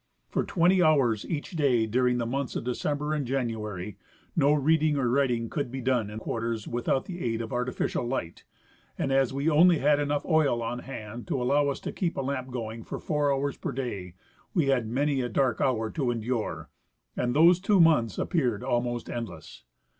For twenty hours each day during the months of December and January no reading or writing could be done in quarters without the aid of artificial light, and as we only had enough oil on hand to allow us to keep a lamp going for four hours per day, we had many a dark hour to endure, and those two months appeared almost endless.